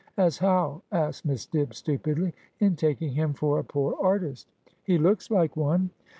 ' As how ?' asked Miss Dibb stupidly. ' In taking him for a poor artist.' ' He looks like one.'